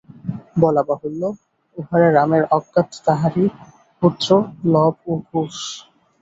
বলা বাহুল্য, উহারা রামের অজ্ঞাত তাঁহারই পুত্র লব ও কুশ।